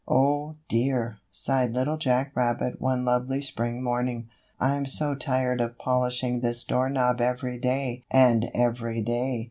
"OH, dear!" sighed Little Jack Rabbit one lovely spring morning, "I'm so tired of polishing this doorknob every day and every day.